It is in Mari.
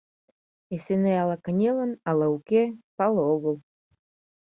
Эсеней ала кынелын, ала уке — пале огыл.